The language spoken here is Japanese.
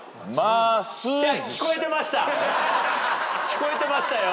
聞こえてましたよ。